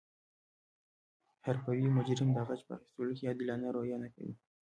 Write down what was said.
حرفوي مجرم د غچ په اخستلو کې عادلانه رویه نه کوي